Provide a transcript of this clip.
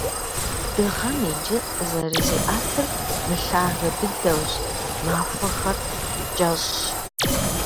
Дыгъэм иджы зэрызиӏэтыр мылъагэ дыдэущ, махуэхэр кӏэщӏщ.